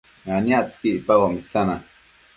aniactsëqui icpaboc mitsana